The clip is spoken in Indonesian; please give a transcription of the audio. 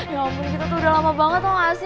ya ngomongin kita tuh udah lama banget tuh gak sih